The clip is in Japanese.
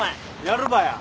やるかや？